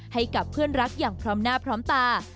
ให้กับเพื่อนรักอย่างพร้อมหน้าพร้อมตา